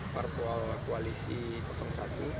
partai koalisi pendukung jokowi maruf